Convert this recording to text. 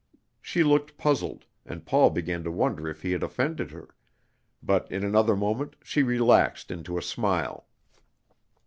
She looked puzzled, and Paul began to wonder if he had offended her, but in another moment she relaxed into a smile.